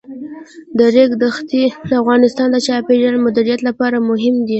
د ریګ دښتې د افغانستان د چاپیریال د مدیریت لپاره مهم دي.